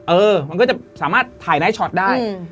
เออมันก็จะสามารถถ่ายไนท์ช็อตได้